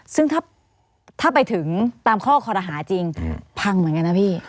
ซึ่งถ้าไปถึงตามข้อคอรหาจริงพังเหมือนกันนะพี่